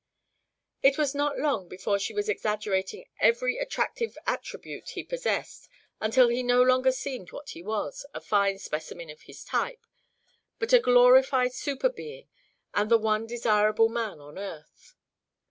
It was not long before she was exaggerating every attractive attribute he possessed until he no longer seemed what he was, a fine specimen of his type, but a glorified superbeing and the one desirable man on earth.